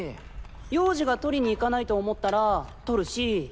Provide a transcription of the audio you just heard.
陽次が取りに行かないと思ったら取るし？